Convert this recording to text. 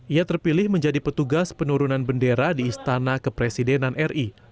ia terpilih menjadi petugas penurunan bendera di istana kepresidenan ri